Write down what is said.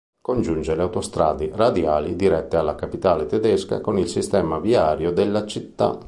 Congiunge le autostrade radiali dirette alla capitale tedesca con il sistema viario della città.